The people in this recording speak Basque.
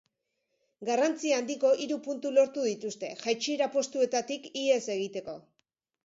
Garrantzi handiko hiru puntu lortu dituzte, jaitsiera postuetatik ihes egiteko.